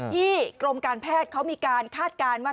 กรมการแพทย์เขามีการคาดการณ์ว่า